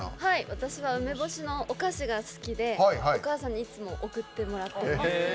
私は梅干しのお菓子が好きでお母さんにいつも送っています。